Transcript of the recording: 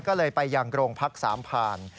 ก็เลยไปยังโรงพรรคสามพาร